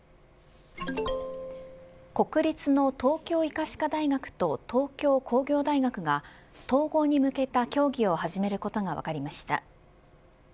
国立の東京医科歯科大学と東京工業大学が統合に向けた協議を始めることが分かりました。